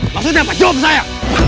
maksudnya apa jawab saya